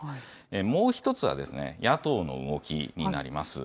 もう１つは、野党の動きになります。